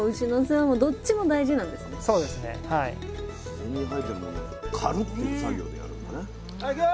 自然に生えてるものを刈るっていう作業でやるんだね。